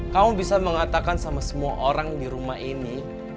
kamu bisa mengatakan sama semua orang di rumah ini